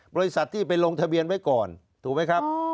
บริษัทที่ไปลงทะเบียนไว้ก่อนถูกไหมครับ